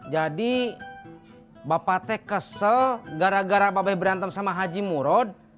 jadi bapak t kesel gara gara bapak berantem sama haji muroh